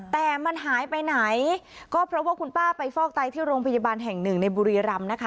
แต่มันหายไปไหนก็เพราะว่าคุณป้าไปฟอกไตที่โรงพยาบาลแห่งหนึ่งในบุรีรำนะคะ